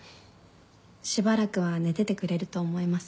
しばらくは寝ててくれると思います。